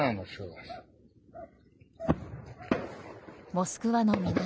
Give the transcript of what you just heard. モスクワの南